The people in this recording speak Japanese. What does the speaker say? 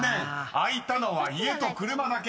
開いたのは「家」と「車」だけ。